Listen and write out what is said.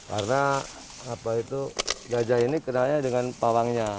karena apa itu geja ini kenalnya dengan pawangnya